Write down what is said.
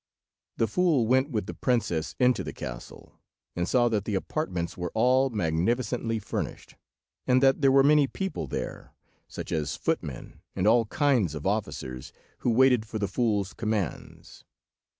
The fool went with the princess into the castle, and saw that the apartments were all magnificently furnished, and that there were many people there, such as footmen, and all kinds of officers, who waited for the fool's commands.